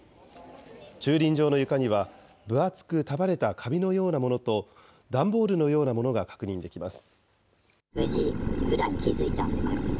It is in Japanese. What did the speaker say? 駐輪場の床には、分厚く束ねた紙のようなものと、段ボールのようなものが確認できます。